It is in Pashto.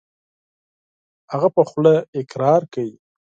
هغه په خوله اقرار کوي .